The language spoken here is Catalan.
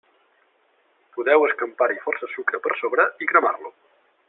Podeu escampar-hi força sucre per sobre i cremar-lo.